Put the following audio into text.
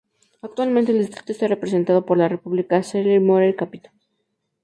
Actualmente el distrito está representado por la Republicana Shelley Moore Capito.